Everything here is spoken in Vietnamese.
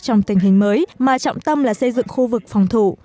trong tình hình mới mà trọng tâm là xây dựng khu vực phòng thủ